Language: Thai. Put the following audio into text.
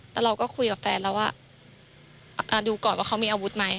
แต่เราก็คุยกับแฟนแล้วว่าดูก่อนว่าเขามีอาวุธไหม